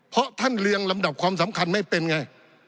เพราะท่านเรียงลำดับความสำคัญไม่เป็นไง